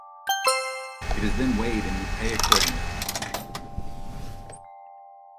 It is then weighed and you pay accordingly.